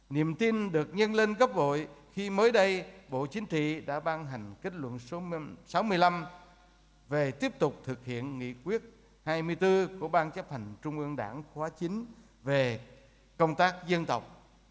niềm tin được nhân lên gấp vội khi mới đây bộ chính trị đã ban hành kết luận số sáu mươi năm về tiếp tục thực hiện nghị quyết hai mươi bốn của ban chấp hành trung ương đảng khóa chín về công tác dân tộc